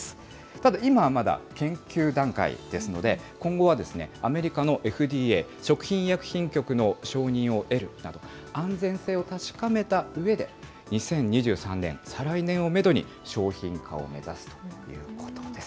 ただいまはまだ、研究段階ですので、今後はアメリカのＦＤＡ・アメリカ食品医薬品局の承認を得るなど、安全性を確かめたうえで、２０２３年・再来年をメドに、商品化を目指すということです。